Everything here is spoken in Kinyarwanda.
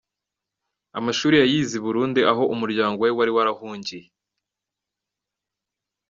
Amashuri yayize i Burundi aho umuryango we wari warahungiye.